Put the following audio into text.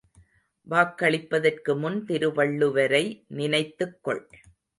வாக்களிப்பதற்குமுன் திருவள்ளுவரை நினைத்துக் கொள்.